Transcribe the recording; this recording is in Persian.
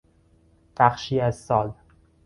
بخشی از سال